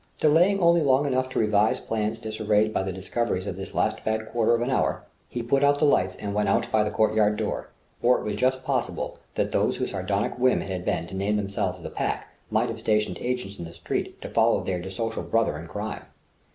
Delaying only long enough to revise plans disarranged by the discoveries of this last bad quarter of an hour, he put out the lights and went out by the courtyard door; for it was just possible that those whose sardonic whim it had been to name themselves "the Pack" might have stationed agents in the street to follow their dissocial brother in crime.